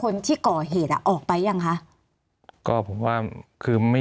มีความรู้สึกว่ามีความรู้สึกว่ามีความรู้สึกว่า